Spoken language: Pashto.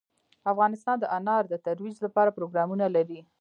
افغانستان د انار د ترویج لپاره پروګرامونه لري.